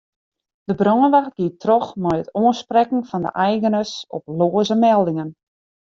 De brânwacht giet troch mei it oansprekken fan de eigeners op loaze meldingen.